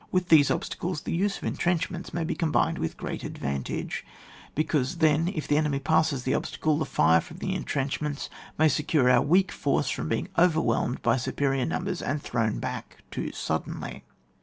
With these obstacles, the use of entrenchments may be combined with great advantage, 108 ON WAR. because then, if the enemy passes the obstacle, the fire from the entrenchments may secure our weak force from being oTerwhelmed by superior numbers, and thrown back too suddenly.